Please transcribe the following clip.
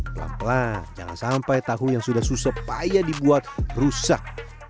pelan pelan jangan sampai tahu yang sudah susah payah dibuat rusak